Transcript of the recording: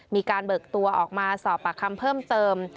เบิกตัวออกมาสอบปากคำเพิ่มเติม